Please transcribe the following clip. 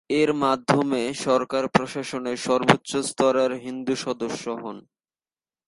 এর মাধ্যমে সরকার প্রশাসনে সর্বোচ্চ স্তরের হিন্দু সদস্য হন।